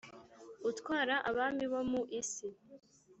utwara abami bo mu isi,